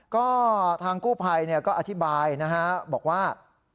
ก็ทางกู้ภัยก็อธิบายนะฮะบอกว่า